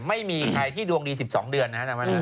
มันไม่มีใครที่ดวงดี๑๒เดือน